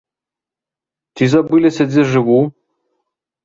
Ці забыліся, дзе жыву?